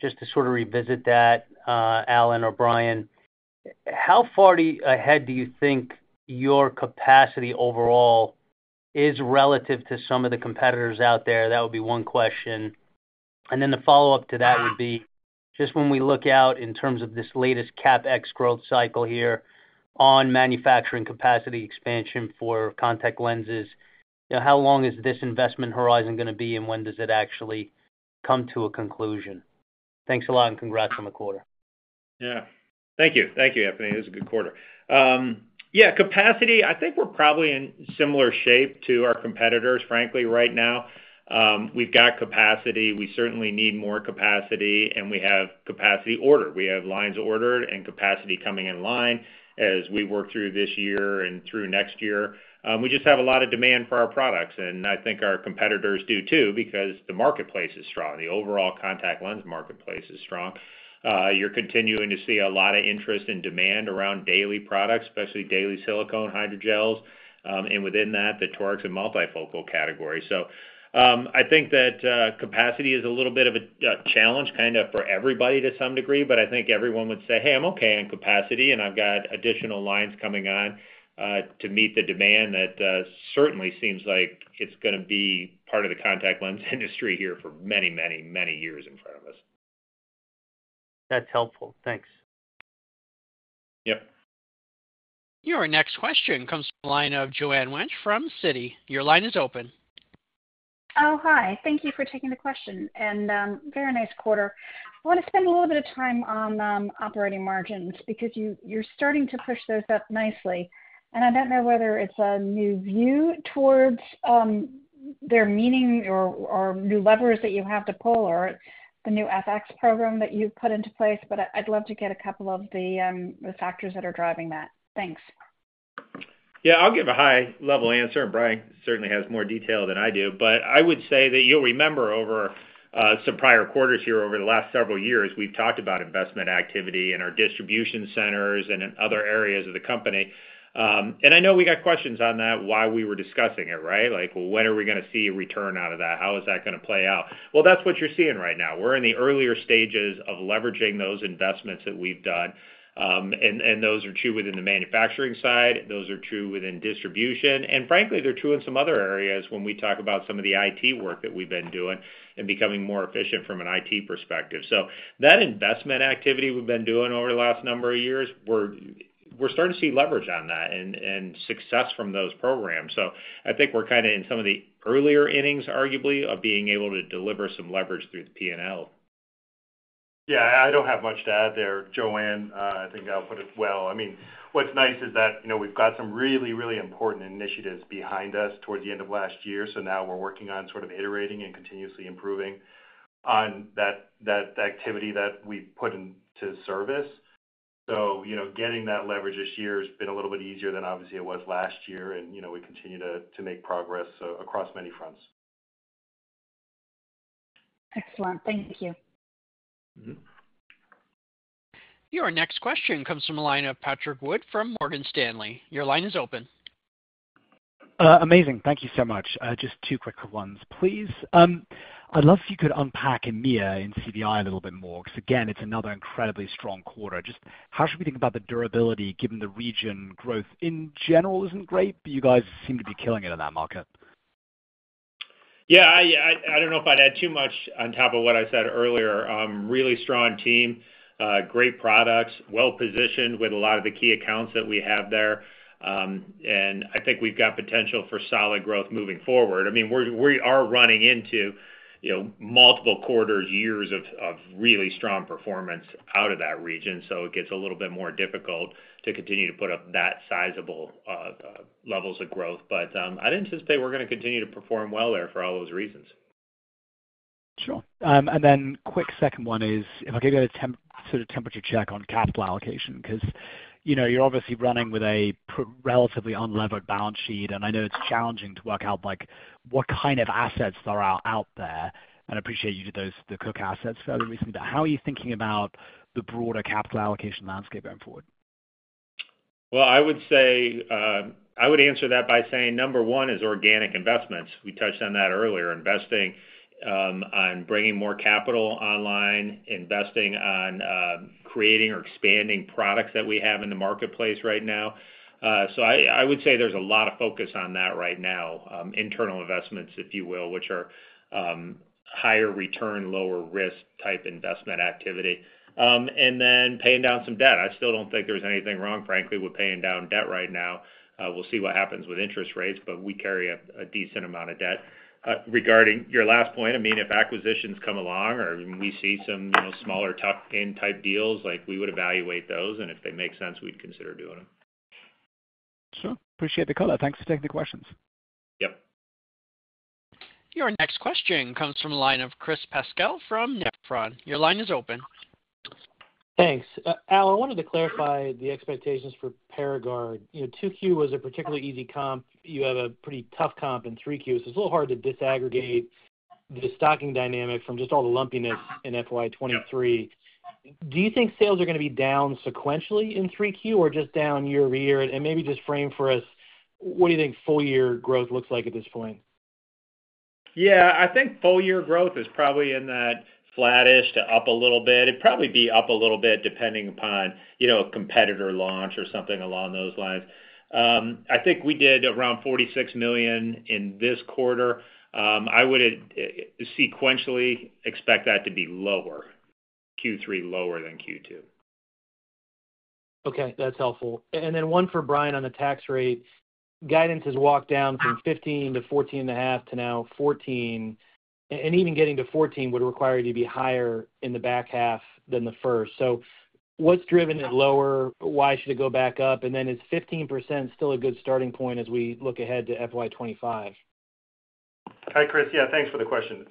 Speaker 12: just to sort of revisit that, Al or Brian, how far ahead do you think your capacity overall is relative to some of the competitors out there? That would be one question. And then the follow-up to that would be, just when we look out in terms of this latest CAPEX growth cycle here on manufacturing capacity expansion for contact lenses, you know, how long is this investment horizon gonna be, and when does it actually come to a conclusion? Thanks a lot, and congrats on the quarter.
Speaker 3: Yeah. Thank you. Thank you, Anthony. It was a good quarter. Yeah, capacity, I think we're probably in similar shape to our competitors, frankly, right now. We've got capacity. We certainly need more capacity, and we have capacity ordered. We have lines ordered and capacity coming in line as we work through this year and through next year. We just have a lot of demand for our products, and I think our competitors do, too, because the marketplace is strong, the overall contact lens marketplace is strong. You're continuing to see a lot of interest and demand around daily products, especially daily silicone hydrogels, and within that, the toric and multifocal category. So, I think that capacity is a little bit of a challenge kind of for everybody to some degree, but I think everyone would say, Hey, I'm okay in capacity, and I've got additional lines coming on to meet the demand, that certainly seems like it's gonna be part of the contact lens industry here for many, many, many years in front of us.
Speaker 12: That's helpful. Thanks.
Speaker 3: Yep.
Speaker 1: Your next question comes from the line of Joanne Wuensch from Citi. Your line is open.
Speaker 13: Oh, hi, thank you for taking the question, and very nice quarter. I want to spend a little bit of time on operating margins, because you're starting to push those up nicely. And I don't know whether it's a new view towards their meaning or new levers that you have to pull or the new FX program that you've put into place, but I'd love to get a couple of the factors that are driving that. Thanks.
Speaker 3: Yeah, I'll give a high-level answer, and Brian certainly has more detail than I do. But I would say that you'll remember over some prior quarters here over the last several years, we've talked about investment activity in our distribution centers and in other areas of the company. And I know we got questions on that while we were discussing it, right? Like, when are we gonna see a return out of that? How is that gonna play out? Well, that's what you're seeing right now. We're in the earlier stages of leveraging those investments that we've done. And those are true within the manufacturing side, those are true within distribution, and frankly, they're true in some other areas when we talk about some of the IT work that we've been doing and becoming more efficient from an IT perspective. So that investment activity we've been doing over the last number of years, we're starting to see leverage on that and success from those programs. So I think we're kind of in some of the earlier innings, arguably, of being able to deliver some leverage through the P&L.
Speaker 4: Yeah, I don't have much to add there, Joanne. I think I'll put it well. I mean, what's nice is that, you know, we've got some really, really important initiatives behind us towards the end of last year, so now we're working on sort of iterating and continuously improving on that activity that we've put into service. So, you know, getting that leverage this year has been a little bit easier than obviously it was last year, and, you know, we continue to make progress across many fronts....
Speaker 13: Excellent. Thank you.
Speaker 1: Your next question comes from the line of Patrick Wood from Morgan Stanley. Your line is open.
Speaker 14: Amazing. Thank you so much. Just two quick ones, please. I'd love if you could unpack EMEA and CVI a little bit more, because, again, it's another incredibly strong quarter. Just how should we think about the durability, given the region growth in general isn't great, but you guys seem to be killing it in that market?
Speaker 3: Yeah, I don't know if I'd add too much on top of what I said earlier. Really strong team, great products, well-positioned with a lot of the key accounts that we have there. And I think we've got potential for solid growth moving forward. I mean, we are running into, you know, multiple quarters, years of really strong performance out of that region, so it gets a little bit more difficult to continue to put up that sizable levels of growth. But I'd anticipate we're gonna continue to perform well there for all those reasons.
Speaker 14: Sure. And then quick second one is, if I could get a sort of temperature check on capital allocation, 'cause, you know, you're obviously running with a relatively unlevered balance sheet, and I know it's challenging to work out, like, what kind of assets are out there. And I appreciate you did those, the Cook assets fairly recently, but how are you thinking about the broader capital allocation landscape going forward?
Speaker 3: Well, I would say, I would answer that by saying number one is organic investments. We touched on that earlier. Investing on bringing more capital online, investing on creating or expanding products that we have in the marketplace right now. So I would say there's a lot of focus on that right now, internal investments, if you will, which are higher return, lower risk type investment activity. And then paying down some debt. I still don't think there's anything wrong, frankly, with paying down debt right now. We'll see what happens with interest rates, but we carry a decent amount of debt. Regarding your last point, I mean, if acquisitions come along or we see some, you know, smaller tuck-in type deals, like we would evaluate those, and if they make sense, we'd consider doing them.
Speaker 14: Sure. Appreciate the color. Thanks for taking the questions.
Speaker 3: Yep.
Speaker 1: Your next question comes from a line of Chris Pasquale from Nephron. Your line is open.
Speaker 15: Thanks. Al, I wanted to clarify the expectations for Paragard. You know, 2Q was a particularly easy comp. You have a pretty tough comp in 3Q, so it's a little hard to disaggregate the stocking dynamic from just all the lumpiness in FY 2023. Do you think sales are gonna be down sequentially in 3Q or just down year-over-year? And maybe just frame for us, what do you think full year growth looks like at this point?
Speaker 3: Yeah, I think full year growth is probably in that flattish to up a little bit. It'd probably be up a little bit, depending upon, you know, a competitor launch or something along those lines. I think we did around $46 million in this quarter. I would sequentially expect that to be lower, Q3 lower than Q2.
Speaker 15: Okay, that's helpful. And then one for Brian on the tax rate. Guidance has walked down from 15 to 14.5, to now 14, and even getting to 14 would require you to be higher in the back half than the first. So what's driven it lower? Why should it go back up? And then is 15% still a good starting point as we look ahead to FY 2025?
Speaker 4: Hi, Chris. Yeah, thanks for the question.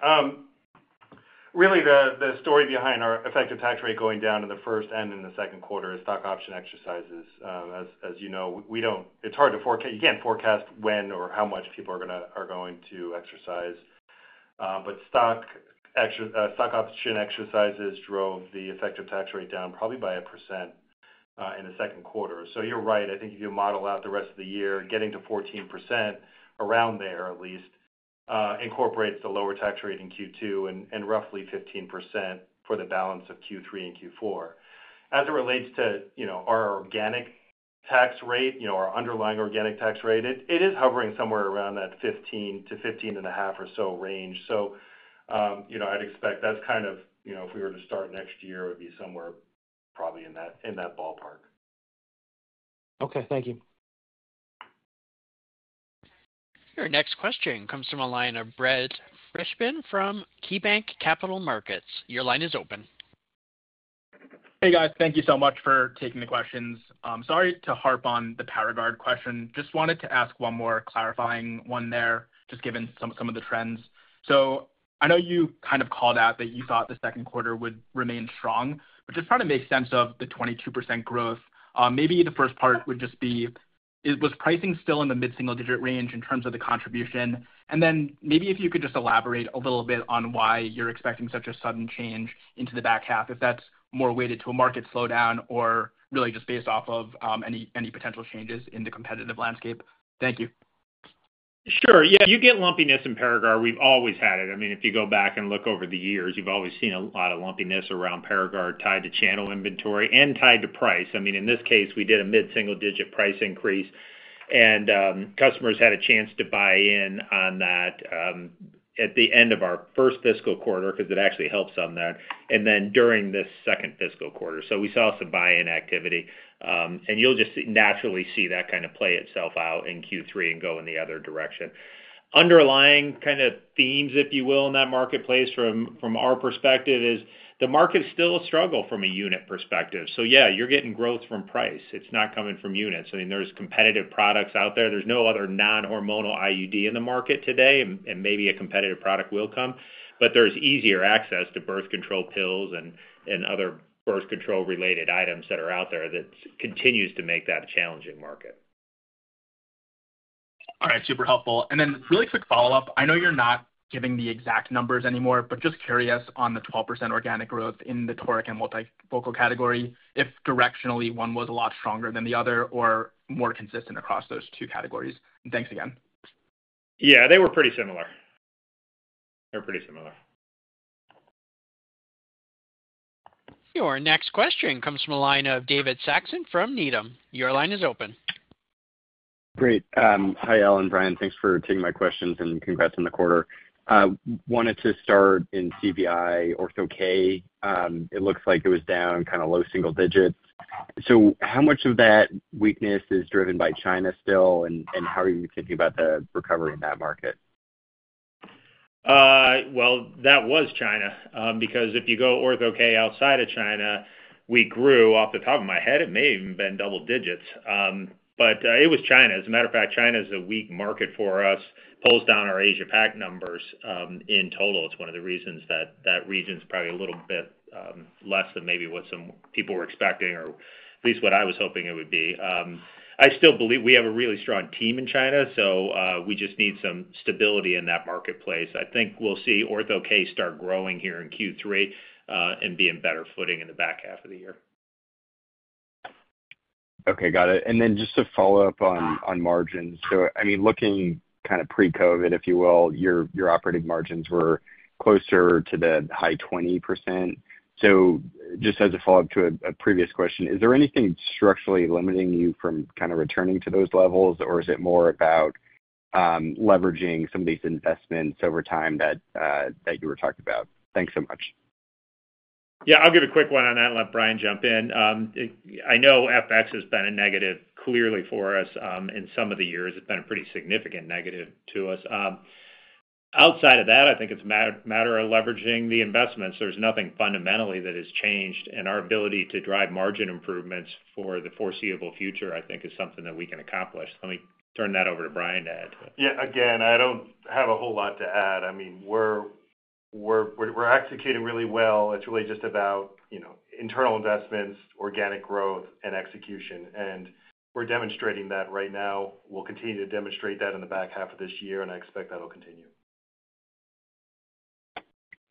Speaker 4: Really, the story behind our effective tax rate going down in the first and in the second quarter is stock option exercises. As you know, we don't. It's hard to forecast. You can't forecast when or how much people are going to exercise, but stock option exercises drove the effective tax rate down probably by 1%, in the second quarter. So you're right, I think if you model out the rest of the year, getting to 14%, around there at least, incorporates the lower tax rate in Q2 and roughly 15% for the balance of Q3 and Q4. As it relates to, you know, our organic tax rate, you know, our underlying organic tax rate, it is hovering somewhere around that 15%-15.5% or so range. So, you know, I'd expect that's kind of, you know, if we were to start next year, it would be somewhere probably in that ballpark.
Speaker 15: Okay, thank you.
Speaker 1: Your next question comes from a line of Brett Fishbin from KeyBanc Capital Markets. Your line is open.
Speaker 16: Hey, guys. Thank you so much for taking the questions. Sorry to harp on the Paragard question. Just wanted to ask one more clarifying one there, just given some of the trends. So I know you kind of called out that you thought the second quarter would remain strong, but just trying to make sense of the 22% growth. Maybe the first part would just be, was pricing still in the mid-single digit range in terms of the contribution? And then maybe if you could just elaborate a little bit on why you're expecting such a sudden change into the back half, if that's more weighted to a market slowdown or really just based off of any potential changes in the competitive landscape. Thank you.
Speaker 3: Sure. Yeah, you get lumpiness in Paragard. We've always had it. I mean, if you go back and look over the years, you've always seen a lot of lumpiness around Paragard tied to channel inventory and tied to price. I mean, in this case, we did a mid-single digit price increase, and, customers had a chance to buy in on that, at the end of our first fiscal quarter, 'cause it actually helps on that, and then during this second fiscal quarter. So we saw some buy-in activity, and you'll just naturally see that kind of play itself out in Q3 and go in the other direction. Underlying kind of themes, if you will, in that marketplace from our perspective, is the market is still a struggle from a unit perspective. So yeah, you're getting growth from price. It's not coming from units. I mean, there's competitive products out there. There's no other non-hormonal IUD in the market today, and, and maybe a competitive product will come, but there's easier access to birth control pills and, and other birth control related items that are out there that continues to make that a challenging market....
Speaker 16: All right, super helpful. And then really quick follow-up. I know you're not giving the exact numbers anymore, but just curious on the 12% organic growth in the toric and multifocal category, if directionally, one was a lot stronger than the other or more consistent across those two categories? Thanks again.
Speaker 3: Yeah, they were pretty similar. They were pretty similar.
Speaker 1: Your next question comes from the line of David Saxon from Needham. Your line is open.
Speaker 17: Great. Hi, Al and Brian, thanks for taking my questions, and congrats on the quarter. Wanted to start in CVI Ortho K. It looks like it was down kind of low single digits. So how much of that weakness is driven by China still, and, and how are you thinking about the recovery in that market?
Speaker 3: Well, that was China, because if you go Ortho K outside of China, we grew. Off the top of my head, it may even been double digits, but it was China. As a matter of fact, China is a weak market for us, pulls down our Asia Pac numbers, in total. It's one of the reasons that that region's probably a little bit less than maybe what some people were expecting or at least what I was hoping it would be. I still believe we have a really strong team in China, so we just need some stability in that marketplace. I think we'll see Ortho K start growing here in Q3, and be in better footing in the back half of the year.
Speaker 17: Okay, got it. And then just to follow up on, on margins. So, I mean, looking kind of pre-COVID, if you will, your, your operating margins were closer to the high 20%. So just as a follow-up to a, a previous question, is there anything structurally limiting you from kind of returning to those levels? Or is it more about, leveraging some of these investments over time that, that you were talking about? Thanks so much.
Speaker 3: Yeah, I'll give a quick one on that and let Brian jump in. I know FX has been a negative clearly for us, in some of the years, it's been a pretty significant negative to us. Outside of that, I think it's a matter of leveraging the investments. There's nothing fundamentally that has changed, and our ability to drive margin improvements for the foreseeable future, I think, is something that we can accomplish. Let me turn that over to Brian to add to it.
Speaker 4: Yeah, again, I don't have a whole lot to add. I mean, we're executing really well. It's really just about, you know, internal investments, organic growth and execution, and we're demonstrating that right now. We'll continue to demonstrate that in the back half of this year, and I expect that'll continue.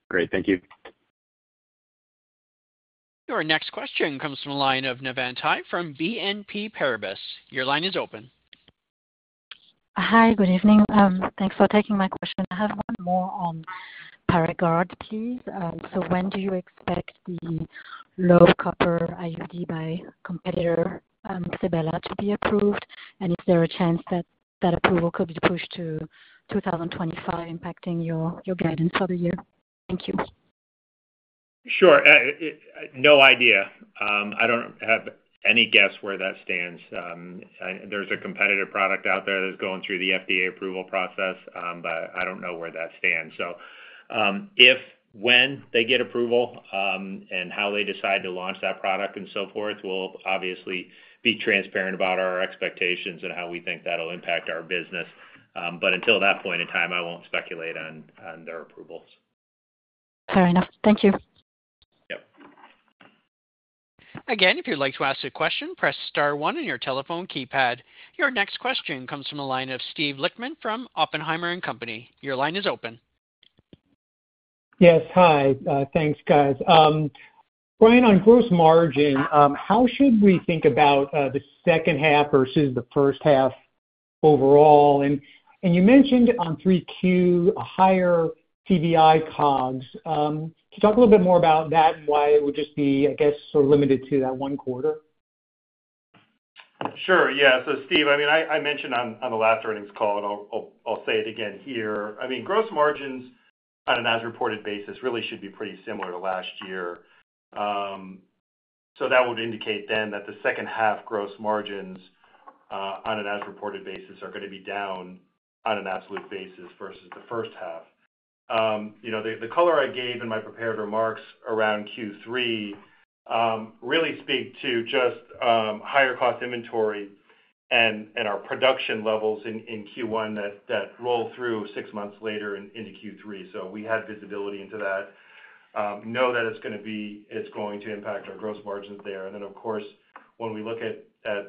Speaker 17: Great. Thank you.
Speaker 1: Your next question comes from a line of Navann Ty from BNP Paribas. Your line is open.
Speaker 18: Hi, good evening. Thanks for taking my question. I have one more on Paragard, please. So when do you expect the low copper IUD by competitor, Sebela, to be approved? And is there a chance that that approval could be pushed to 2025, impacting your, your guidance for the year? Thank you.
Speaker 3: Sure. No idea. I don't have any guess where that stands. And there's a competitive product out there that's going through the FDA approval process, but I don't know where that stands. So, if when they get approval, and how they decide to launch that product and so forth, we'll obviously be transparent about our expectations and how we think that'll impact our business. But until that point in time, I won't speculate on, on their approvals.
Speaker 18: Fair enough. Thank you.
Speaker 3: Yep.
Speaker 1: Again, if you'd like to ask a question, press star one on your telephone keypad. Your next question comes from a line of Steve Lichtman from Oppenheimer and Company. Your line is open.
Speaker 19: Yes. Hi, thanks, guys. Brian, on gross margin, how should we think about the second half versus the first half overall? And you mentioned on 3Q, a higher TBI COGS. Could you talk a little bit more about that and why it would just be, I guess, sort of limited to that one quarter?
Speaker 4: Sure. Yeah. So Steve, I mean, I mentioned on the last earnings call, and I'll say it again here. I mean, gross margins on an as-reported basis really should be pretty similar to last year. So that would indicate then that the second half gross margins, on an as-reported basis, are going to be down on an absolute basis versus the first half. You know, the color I gave in my prepared remarks around Q3 really speak to just higher cost inventory and our production levels in Q1 that roll through six months later into Q3. So we had visibility into that. Know that it's gonna be. It's going to impact our gross margins there. And then, of course, when we look at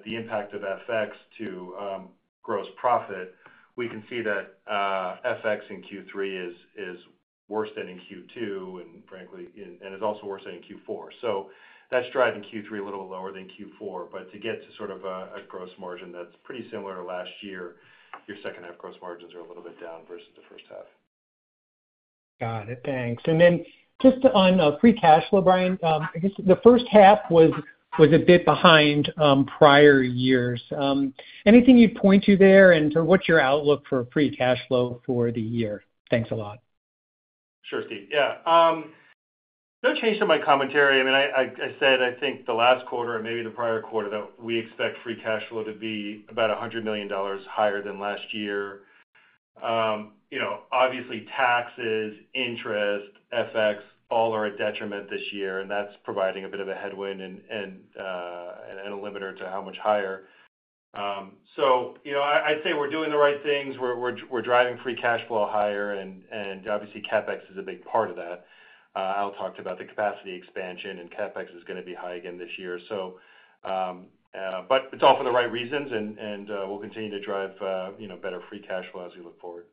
Speaker 4: the impact of FX to gross profit, we can see that FX in Q3 is worse than in Q2, and frankly is also worse than in Q4. So that's driving Q3 a little lower than Q4, but to get to sort of a gross margin that's pretty similar to last year, your second half gross margins are a little bit down versus the first half.
Speaker 19: Got it, thanks. And then just on Free Cash Flow, Brian, I guess the first half was a bit behind prior years. Anything you'd point to there, and so what's your outlook for Free Cash Flow for the year? Thanks a lot.
Speaker 4: Sure, Steve. Yeah. No change in my commentary. I mean, I, I, I said, I think the last quarter or maybe the prior quarter, that we expect free cash flow to be about $100 million higher than last year. You know, obviously, taxes, interest, FX, all are a detriment this year, and that's providing a bit of a headwind and, and, and a limiter to how much higher. So you know, I, I'd say we're doing the right things. We're, we're, we're driving Free Cash Flow higher and, and obviously CAPEX is a big part of that. Al talked about the capacity expansion, and CAPEX is gonna be high again this year. So, but it's all for the right reasons and, and, we'll continue to drive, you know, better free cash flow as we look forward.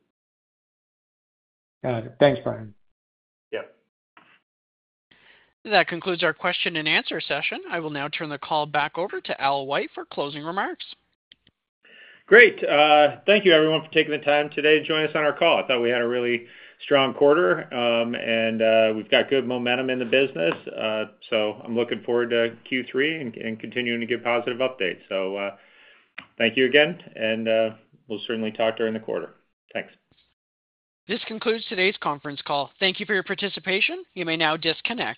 Speaker 19: Got it. Thanks, Brian.
Speaker 4: Yep.
Speaker 1: That concludes our question and answer session. I will now turn the call back over to Al White for closing remarks.
Speaker 3: Great. Thank you everyone for taking the time today to join us on our call. I thought we had a really strong quarter, and we've got good momentum in the business. So I'm looking forward to Q3 and continuing to give positive updates. So, thank you again, and we'll certainly talk during the quarter. Thanks.
Speaker 1: This concludes today's conference call. Thank you for your participation. You may now disconnect.